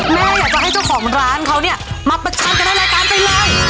เอาอย่างนี้ดีกว่าค่ะแม่อยากจะให้เจ้าของร้านเขาเนี่ยมาประชันกันให้รายการไปเลย